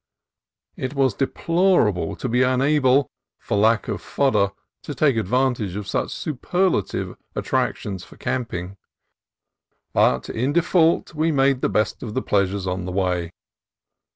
It was deplorable to be unable, for lack of fodder, to take advantage of such superlative attrac tions for camping, but in default we made the best of the pleasures of the way.